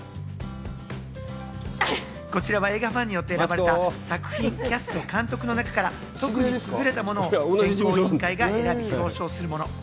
こちらは映画ファンによって選ばれた作品、キャスト、監督の中から特にすぐれたものを選考委員会が選び、表彰するもの。